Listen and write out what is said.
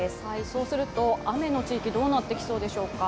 そうすると、雨の地域どうなってきそうでしょうか。